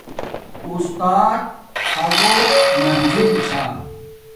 اُستات ھوگو منزل چھا